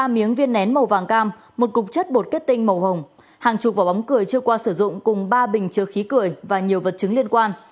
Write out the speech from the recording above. ba miếng viên nén màu vàng cam một cục chất bột kết tinh màu hồng hàng chục vỏ bóng cười chưa qua sử dụng cùng ba bình chứa khí cười và nhiều vật chứng liên quan